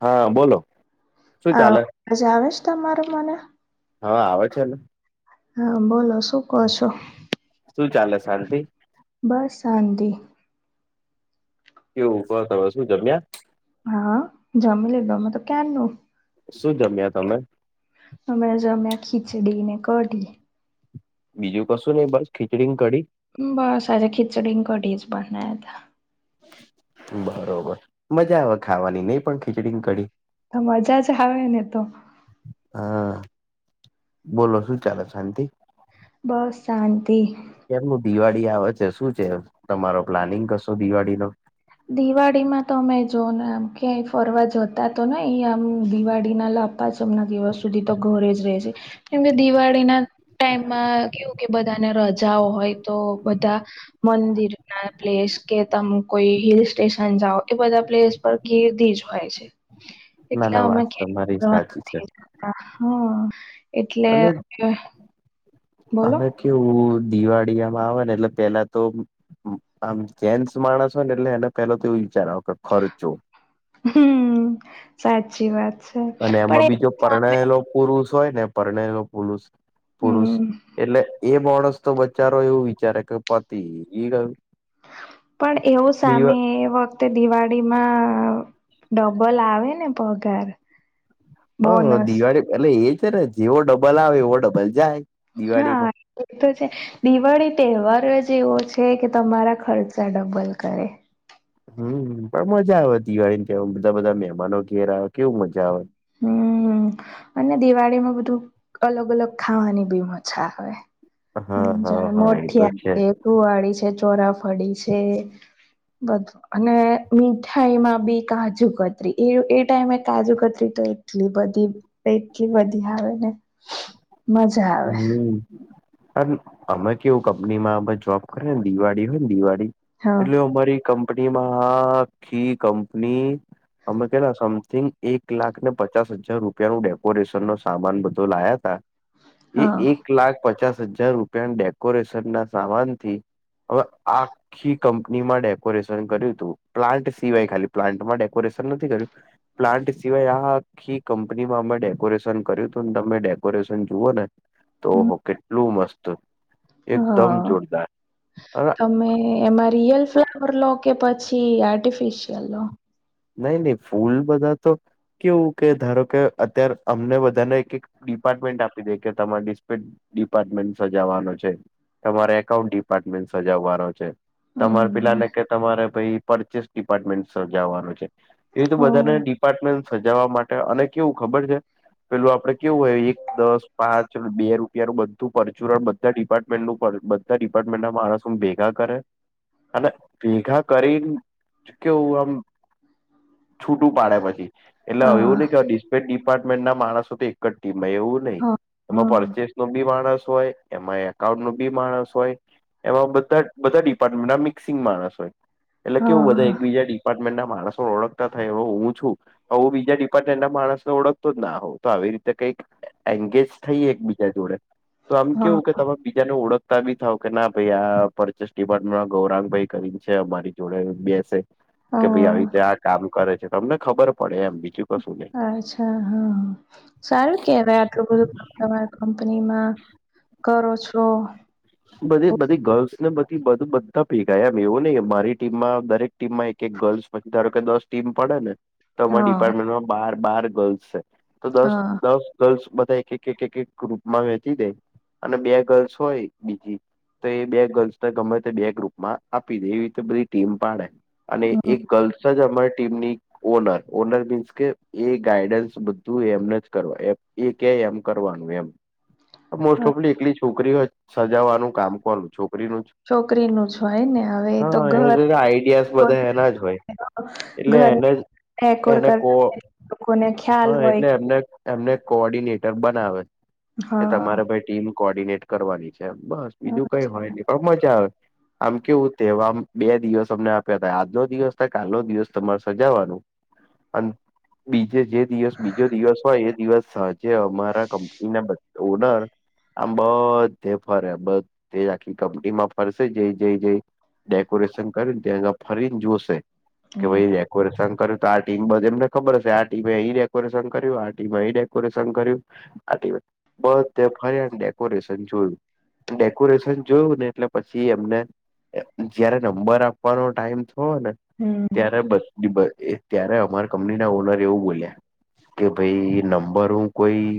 હા બોલો. શું હા ચાલે આવજ મારો મને. હા આવે છે ને. હા બોલો શું કહો છો? શું ચાલે શાંતિ? બસ શાંતિ. એવું ક તવે શું જમ્યા? હા જમી લિધુ તો કયારનૂ. શું જમ્યા તમે? હમણાં જો અમે ખીચડીને કઢી. બીજું કશું નઈ બસ ખીચડીની કઢી? બસ આજે ખીચડીને, કઢી જ બનના હતા. બરોબર મજા આવે ખાવાની નહી પણ ખીચડી કઢી. મજા જ આવે ને તો. હા, બોલો શું ચાલે શાંતિ? બસ શાંતિ. કેમનું દિવાળી આવે છે શું છે તમારો પ્લાનિંગ કશો દિવાળીનો? દિવાળીમાં તો અમે જો ને ક્યાંય ફરવા જતા તો ને એયા આમ દિવાળીના લાભ પાંચમના દિવસ સુધી તો ઘરે જ રહે છે. કેમ કે દિવાળીના ટાઈમમાં કેવું કે બધાને રજાઓ હોય તો બધા મંદિરના પ્લેસ કે તમ કોઈ હિલ સ્ટેશન જાઓ એ બધા પ્લેસ પર ગીર્દી જ હોય છે. ના ના એટલા અમે વાત ક્યા તમારી સાચી છે કરવા હા એટલે બોલો હમે કેવું દિવાળીમાં આવે ને એટલે પેલા તો આમ જેન્ટસ માણસ હોય ને એટલે એને પેલો તો એને વિચાર આવે કે ખર્ચો. હમ્મ સાચી વાત. છે અને પણ એમાં બીજો એ સામે પરણયલો પુરુષ હોય ને પરણયલો પુરુષ પુરુષ. હમ એટલે એ માણસ તો બચારો એવું વિચારે કે પતિ એ ગયું. પણ એવું સામે એ વ દિવાળીમાં ડબલ આવે ને પગાર. હ બોનસ દિવાળી એલે એ છે ને જેવો ડબલ આવે એવો ડબલ જાય. હા. દિવાળીમાં એ તો છે, દિવાળી તહેવાર જ એવો છે કે તમારા ખર્ચા ડબલ કરે. હમ્મ પણ મજા આવે દિવાળી ને ત બધા બધા મહેમાનો ઘેર આવ કેવું મજા આવે. હમ [inaudible] અને દિવાળીમાં બધું અલગ અલગ ખાવાની ભી મજા આવે. હ હા હા જાણ હા એ તો મોઠિયા છે, કુવાળી છે, ચોરાફળી છે. બધું અને મીઠાઈમાં ભી કાજુ કતરી એ એ ટાઈમે કાજુ ત્રી તો એટલી બધી એટલી બધી આવે ને. મજા આવે હમ. અમે કેવું કંપનીમાં અ જોબ કર ને દિવાળી હોય ને દિવાળી, હા એટલે અમારી કંપનીમાં હા આખી કંપની. અમે કેલા સમથિંગ એક લાખ ને પચાસ હજાર રૂપિયા નું ડેકોરેશન નો સામાન બધો લાયા તા. એ હા એક લાખ પચાસ હજાર રૂપિયા ડેકોરેશન ના સામાનથી. હવે આ આી કંપનીમાં ડેકોરેશન કર્યું હતું પ્લાન્ટ સિવાય ખાલી પ્લાન્ટમાં ડેકોરેશન નથી કર્યું. પ્લાન્ટ સિવાય આ આખી કંપનીમાં અમે ડેકોરેશન કર્યું હતું ને તમે ડેકોરેશન જુઓ ને. હમ, તોહ કેટલું મસ્ત. એકદમ હા, જોરદાર હવે તમે એમાં રિયલ્ ફ્લાવર લો કે પછી આર્ટિફિશિયલ લો? નહી નહી ફૂલ બધા તો કેવું કે ધારો કે અત્યારે અમને બધાને એક એક ડિપાર્ટમેન્ટ આપી દે કે તમારે ડિપાર્ટમેન્ટ સજાવાનો છે, તમારે એકાઉન્ટ ડિપાર્ટમેન્ટ સજાવવાનો છે. તમારે હમ પેલાને કે તમારે ભાઈ પરચેસ ડિપાર્ટમેન્ટ સજાવાનું છે. એવી તો હ બધાને હા ડિપાર્ટમેન્ટ સજાવવા માટે અને કેવું ખબર છે. પેલું આપડે કેવું હોય એક દસ પાંચ બે રૂપિયાનું બનું પરચુરણ બ બધા ડિપાર્ટમેન્ટનું બધા ડિપાર્ટમેન્ટ ના માણસ હું ભેગા કરે. અને ભેગા કરીને કેવું આમ. છૂટું પાડે પછી, એટલે હવે એું ને હા કેસ્પેટ ડિપાર્ટમેન્ટ ના માણસો તો. કમાં એવું નહી, એમાં હા પરચેસ નો બી માણસ હોય. એમાં એકાઉન્ટ નું બી માણસ હોય. એમાં બધા બધા ડિપાર્ટમેન્ટ ના મિક્સિંગ માણસ હોય. એટલે કે હું બધા હા એક બીજા ડિપાર્ટમેન્ટ ના માણસો ઓળખતા થાય એ હું છું. હું બીજા ડિપાર્ટમેન્ટ ના માણસ ને ઓળખતો જ ના હો તો આવી રીતે કઈક એંગેજ થઈ એકબીજા જોડે, તો આમ કેવું કે હા તમામે બીજા ન ઓળખતા બી થાવ કે ના ભાઈ આ પરચેસ ડિપાર્ટમેન્ટમાં ગૌરાંગ ભાઈ કરીને છે અમારી જોડે બેસે. કે ભાઈ આવી રી ત્યા આ કામ કરે છે તમને ખબર પડે એમ, બી અચ્છા હા, સારું કેવાય આટલું બધું. તમાર કંપનીમાં કરો છો. બધી બધી ગર્લ્સ ને બધી બધું બધા પેગાય એમ એવું નહ મારી ટીમમાં દરેક ટીમમાં એક એક ગર્લ્સ ધારો કે દસ ટીમ પડે ને, તો અરા હા ડિપાર્ટમેન્ટમાં બાર બાર ગર્લ્સ છે. તો દસ હા દસ ગર્લ્સ બધા એક એક એક એક ગ્રુપમાં વહેતી દે, અને બે ગર્લ્સ હોય. બીજી, તો એ બે ગર્લ્સ ગમે તે બે ગ્રુપમાં આપી દે એવી રીતે બધી ટીમ પાડે. અને હમ, એક ગર્લ્સ જ અમારી ટીમની ઓનર ઓનર મીન્સ કે એ ગાઈડન્સ બધું એમને જ કરવા એ કે એમ કરવાનું એમ. મોસ્ટ હા ઓફલી એકલી છોકરી હોય સજાવાનું કામ કરું છોકરીનું જ છોકરીનું જ હોય ને હવે તો હા એ ઘર આઈડિયાસ બધા એના જ હોય. ઘર [unintelligible] ડેકોર કરતા લોકોને ખ્યાલ હોય કે. એમને કોર્ડિનેટર બનાવે, કે હા તમારે ભાઈ ટીમ કોર્ડિનેટ કરવાની છે. બસ હા બીજું કઈ હોય ને પણ મજા આવે. આમ કેવું તહેવામ બે દિવસ અમને આપ્યા હતા આજનો દિવસ થાય કાલનો દિવસ તમારે સજાવાનું. અને બીજે જે દિવસ બીજો દિવસ હોય એ દિવસ સજ જે અમારા કંપની ના ઓનર, આમ બ તે ફરે બધ તે આખી કંપની માં ફરશે જઈ જઈ જઈ ડેકોરેશન કરીને ત ફરીને જોશે, કે હમ ભાઈ ડેકોરેશન કર્યું તો આ ટીમ બધ એમને ખબર હશે આ ટીમે ઈ ડેકોરેશન કર્યું આ ટીમે એ ડેકોરેશન કર્યું. આ વા બધ ફરી ડેકોરેશન જોયું. ડેકોરેશન જોયું ને એટલે પછી એમને જયારે નંબર આપવાનો ટાઈમ થયો ને. હમ. ત્યારે બસ ત્યારે અમાર કંપનીના ઓનર એવું બોલ્યા. કે ભાઈ નંબર હું કોઈ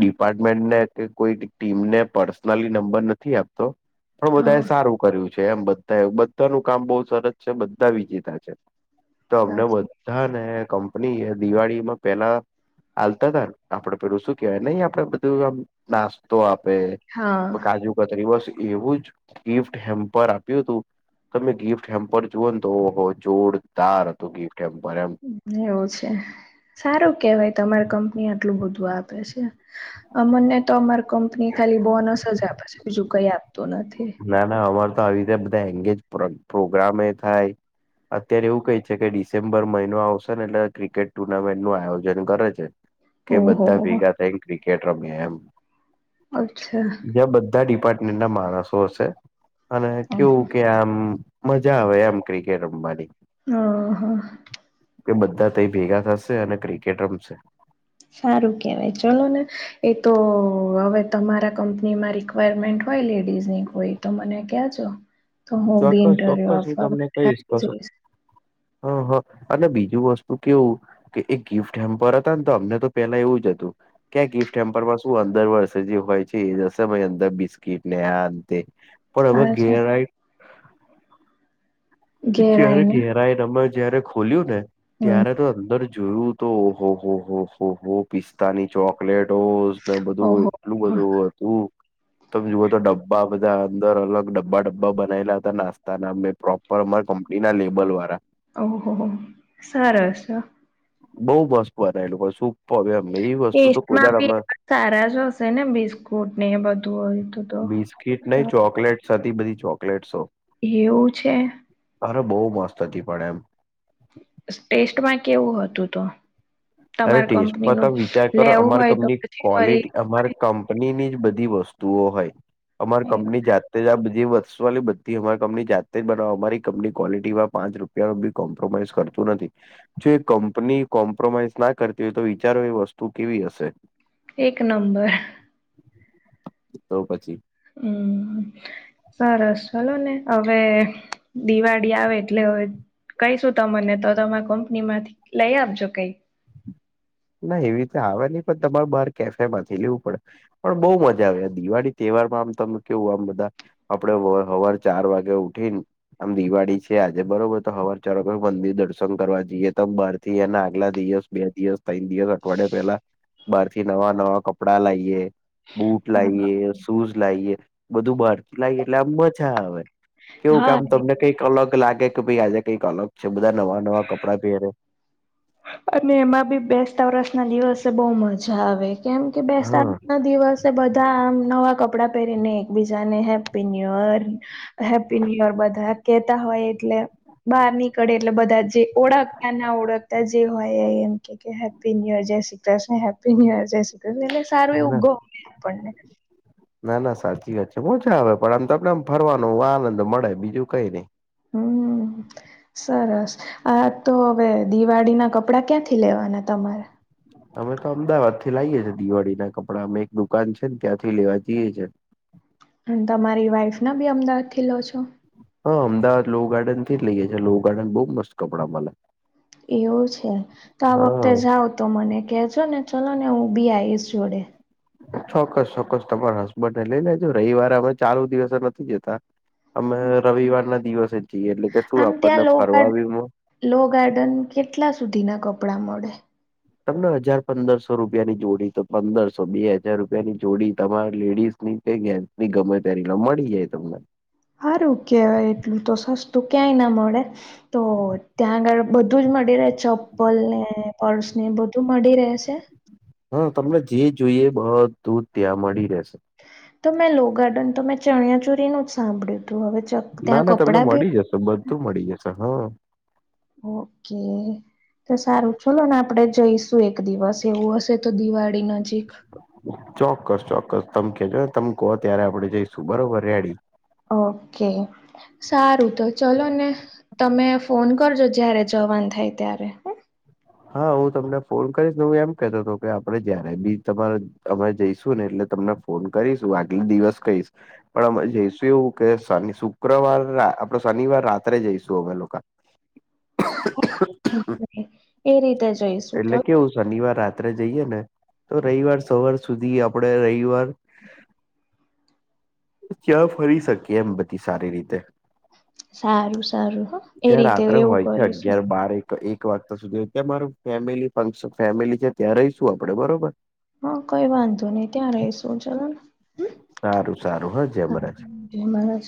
ડિપાર્ટમેન્ટ ને કે કોઈ ટીમ ને પડ- નંબર નથી આપતો, પણ હા બધા સારું કર્યું છે એમ બધા બધા ન કામ બહ સરસ છે બધા વિજેતા છે, તો અમને સાચી હા ને કંપની દિવાળીમાં પેલા ચાલતા તાર આપડે પેલું શું કેવાય નહી આપડે બધું આમ નાસ્તો આપે. હા કાજુ કતરી બસ એવું જ ગિફ્ટ હેમ્પર આપ્યું હતું. તમે ગિફ્ટ હેમ્પર જુઓ ને તો જોરદાર હતો ગિફ્ટ હેમ્પર એમ. એવું છે, સારું કેવાય તમારી કંપની આટલું બધું આપે છે. મને તો અમાર કંપની ખાલી બોનસ જ આપે છે બીજું કઈ આપતું નથી. ના ના અમારે તો આવી રીતે બધા એંગેજ પ્રોગ્રમે એ થાય. અત્યારે એવું કહે છે કે ડિસેમ્બર મહિનો આવશે ને એટલે ક્રિકેટ ટુર્નામેન્ટ નું આયોજન કરે છે. કે ઓહો બધા હો ભેગા થઈને ક્રિકેટ રમે એમ. અચ્છા. જ્યાં બધા ડિપાર્ટમેન્ટ ના માણસો હશે, અને કેવું કે આમ. મજા આવે એમ ક્રિકેટ રમવાની. હ હા. કે બધા ત ભેગા થશે અને ક્રિકેટ રમશે. સારું કેવાય ચલો ને, એ તો હવે તમારા કંપનીમાં ર મેન્ટ હોય લેડીઝ ની કોઈ તો મને કેજો. તો હું બી ચોક્કસ ઇન્ટરવ્યુ ચોક્કસ હું આપવા જઇસ. હ હા અને બીજું વસ્તુ કેવું. કે એ ગિફ્ટ એમ પર હતા ને તો અમને તો પેલા એવું જ હતું. ક્યાં ગિફ્ટ ટેમ્પલમાં શું અંદર વર્ષે જે હોય છે એ જશે અંદર બિસ્કીટ ને આ અંતે. પણ હવે અચ્છા ઘેરઈ. ઘેર જયારે આઈને ઘેરા એનામાં જયારે ખોલ્યું ને હમ ત્યારે તો અંદર જુય તો ઓહ હો હો હો હો પિસ્ સ્તાની ચોકલેટોને બધું ઓહો એટલું બધું હતું. તમે જુઓ તો ડબ્બા બધા અંદર અલગ ડબ્બા ડબ્બા બનાયલા હતા નાસ્તાના પ્રો અમારા કંપની ના લેબલ વાળા. ઓહ હો સરારસ. બઉ બસ બ એ લોકો શ [unintelligible] સ્ટમાં બી એ સારા જ હશે ને બિસ્કુટ ને એ બધું હોય તો તો? કીટ નહ ચોકલેટ્સ હતી બધી ચોકલેટસો. એવું છે? અરે બહુ મસ્ત હતી પણ એમ. ટેસ્ટમાં કેવું હતું તો? અરે તમાર ટેસ્ટમાં કંપનીનું તમે વિચાર કરો લેવું અમારી હોય તો કંપની પછી ફરી ક્લિટી અમારે કંપની ની જ બધી વસ્તુઓ હોય, અમાર કંપની જાત આ બધી વસ્ષો વાલી બધી અમારી કંપની જાતે જ બનાો અમારી કંપની ક્વલિટીમાં પાંચ રૂપ બી કોમ્પ્રોમાઈઝ કરતું નથી, જો કંપની કોમ્પ્રોમાઈઝ ના કરતી હોય તો વિચારો એ વસ્તુ કેવી હશે. એક નંબર. તો પછી. હમ. સરસ ચલો ને હવે, દિવાળી આવે એટલે હવે કહીશું તમને તો તમે કંપની માંથી લઈ આપજો કઈ. ના એવી રીતે આવે નહી પણ તમારે બહાર કેફે માંથી લેવું પડે. પણ બહુ મજા આવે. આ દિવાળી તહેવારમાં આમ તમે કેવું આમ બધા આપડે સવાર ચાર વાગે ઉઠી ને. આમ દિવાળી છે આજે બરોબર તો હવાર ચાર વાગે મંદિર દર્શન કરવા જઈએ તો બાર થી એના આગલા દિવસ બે દિવસ, ત્રણ દિવસ, અઠવાડિયા પેલા, બાર થી નવા નવા કપડા લાઈએ. બૂટ લાઈએ, શૂઝ લાઈએ, બધું બાહારથી લાઈએ એટલે આમ મજા આવે. કેવું હા કામ તમને કઈક અલગ લાગે, કે ભાઈ આજે કઈક અલગ છે બધા નવા નવા કપડાં પહેરે. અને એમાં બી બેસતા વરસ ના દિવસે બહું મજા આવે કેમ કે બેસતા હા ના દિવસે બધા આમ નવા કપડાં પહેરીને એકબીજા ને happy new year. Happy new year બધા કેતા હોય એટલે બહાર નીકળે એટલે બધા જ જે ઓળખતાના ઓળખતા જ એમ કેય કે હેપ્પી ન્યૂ ઇયર જય Shri Krishna happy new year જય શ્રી કૃષ્ણ. સારું ના એવું ગમે આપણને. ના ના સાચી વાત છે. મજા આવે પણ આમ ત આપડે આમ ફરવાનો આનંદ મળે બીજું કઈ નહી. હમ. સરસ, આ તો હવે દિવાળીના કપડા ક્યાંથી લેવાના તમારા? અમે તો અમદાવાદ થી લાઈએ છીએ દિવાળી ના કપડાં અમે એક દુકાન છે ને ત્યાંથી લેવા જઈએ છીએ. અને તમારી વાઈફ ના બી અમદાવાદથી લાવો છો? હા અમદાવાદ લો ગાર્ડન થી જ લઇએ છે લો ગાર્ડન બહું મસ્ત કપડાં મલે. એવું છે, તો આ વખતે જાવ. તો મને કહેજો ને ચલો ને હું બી આઈશ જોડે. ચોક્કસ ચોક્કસ તમારા હસબન્ડને લઈ લેજો રવિવારે અમે ચાલુ દિવસે નથી જતા. અમે રવિવાર ના દિવસે જ જઈએ એટલે કે શું આમ ત્યાં આપણને લો ગાર્ડ ફરવાબી મળે લો ગાર્ડન કેટલા સુધીના કપડાં મળે? તમને હજાર પંદરસો રૂપિયાની જોડી તો પંદરસો બે હજાર રૂપિયાની જોડી તમારા લેડીઝ ની. એ જે ગમે ત્યારે મળી જાય તમને. સારું કેહેવાય એટલું તો સસ્તું ક્યાંય ના મળે. તો ત્યાં આગળ બધું જ મળી રહે ચપ્પલ ને પર્સ ને બધું મળી રહે છે? હા તમને જે જોઈએ એ બધું ત્યાં મળી રહેશે. તો મેં લો ગાર્ડન તો મેં ચણિયા ચોરીનું જ સાંભળ્યું હતું હવે ના ત્યાં ના તમને કપડાં બી મળી જશે બધું મળી જશે હા. ઓકે. તો સારું ચલો ને આપડે જઈશું એક દિવસ એવું હશે તો દિવાળી નજીક ચોક્કસ ચોક્કસ તમે કેજો ને તમે કહો ત્યારે આપડે જઈશું બરોબર રેડી. ઓકે. સારું તો ચલો ને, તમે ફોન કરજો જ્યારે જવાનું થાય ત્યારે. હો. હા હું તમને ફોન કરીશ ને હું એમ કેતો હતો કે આપડે જ્યારે બી તમારે અમે જઈશું ને એટલે તમને ફોન કરીશું આગલી દિવસ કહીશ. પણ અમે જઈશું એવું કે શની શુક્રવાર આપડે શનિવાર રાત્રે જઈશું અમે લોકો. એ રીતે જઈશ. એટલે કેવું શનિવાર રાત્રે જઈએ ને, તો રવિવાર સવાર સુધી આપડે રવિવાર ત્યાં ફરી શકીએ એમ બધી સારી રીતે. સારું સારું હા એ ત્યાં રીતે રાત્રે એવું હોય છે કરીશું. અગિયાર બારે. તો એક વાગતા સુધી ત્યાં મારું ફેમિલી ફંક્શન ફેમિલી છે ત્યાં રહીશું આપડે બરોબર. હા કઈ વાંધો નહી ત્યાં રહીશું ચાલો ને. સારું સારું હા જય મહારાજ. જય મહારાજ.